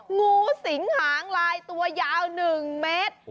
งูสิงหางลายตัวยาว๑เมตร